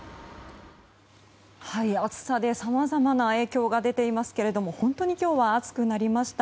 暑さでさまざまな影響が出ていますけど本当に今日は暑くなりました。